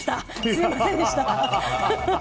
すみませんでした。